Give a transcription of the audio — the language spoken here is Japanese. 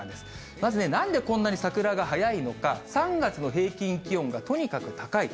まずね、なんでこんなに桜が早いのか、３月の平均気温がとにかく高い。